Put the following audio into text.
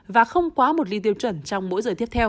và không quá một ly tiêu chuẩn trong mỗi giờ tiếp theo